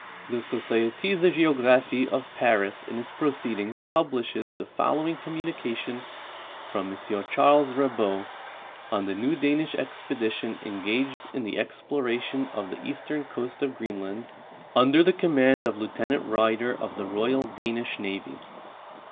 — The Societe de Geograpliie of Paris in its Pro ceedings publishes the following communication from M. Ch. Rabot on the new Danish expedition eiigaged in the exploration of the eastern coast 'of Greenland, under the command of Lieu tenant Ryder, of the royal Danish navy.